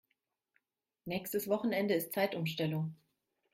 Nächstes Wochenende ist Zeitumstellung.